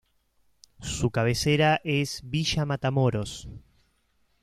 Su cabecera es Villa Matamoros.